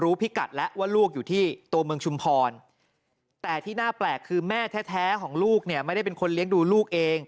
พิกัดแล้วว่าลูกอยู่ที่ตัวเมืองชุมพรแต่ที่น่าแปลกคือแม่แท้ของลูกเนี่ยไม่ได้เป็นคนเลี้ยงดูลูกเอง